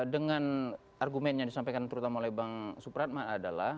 dengan argumen yang disampaikan terutama oleh bang supratma adalah